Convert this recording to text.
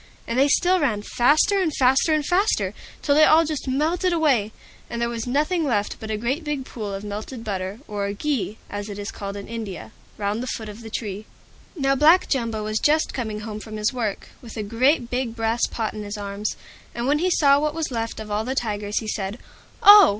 And they still ran faster and faster and faster, till they all just melted away, and there was nothing left but a great big pool of melted butter (or "ghi," as it is called in India) round the foot of the tree. Now Black Jumbo was just coming home from his work, with a great big brass pot in his arms, and when he saw what was left of all the Tigers he said, "Oh!